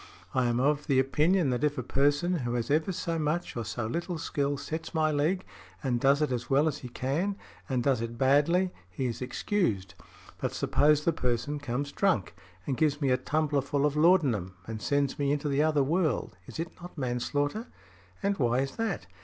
I am of opinion that if a person who has ever so much or so little skill sets my leg and does it as well as he can and does it badly, he is excused; but, suppose the person comes drunk, and gives me a tumbler full of laudanum, and sends me into the other world, is it not manslaughter? And why is that?